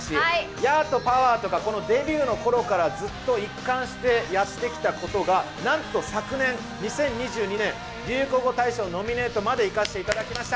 ヤー！とかパワー！とか、このデビューのころから、ずっと一貫してやってきたことが、なんと昨年、２０２２年流行語大賞ノミネートまでいかせていただきました。